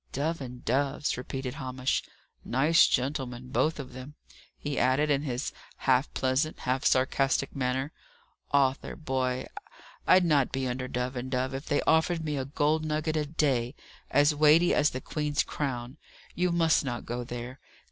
"Dove and Dove's," repeated Hamish. "Nice gentlemen, both of them!" he added, in his half pleasant, half sarcastic manner. "Arthur, boy, I'd not be under Dove and Dove if they offered me a gold nugget a day, as weighty as the Queen's crown. You must not go there."